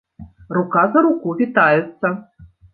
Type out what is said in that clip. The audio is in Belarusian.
Рука за руку вітаюцца.